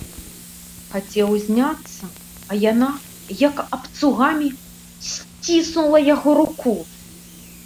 Хацеў узняцца, а яна як абцугамі сціснула яго руку.